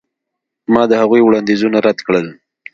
ما د هغوی وړاندیزونه رد کړل.